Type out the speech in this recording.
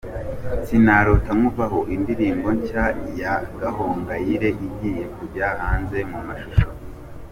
"Sinarota Nkuvaho", indirimbo nshya ya Gahongayire igiye kujya hanze mu mashusho :.